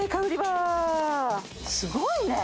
すごいね！